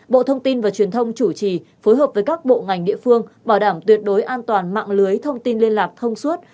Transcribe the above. bộ thông tin và truyền thông chủ trì phối hợp với các bộ ngành địa phương bảo đảm tuyệt đối an toàn mạng lưới thông tin liên lạc thông suốt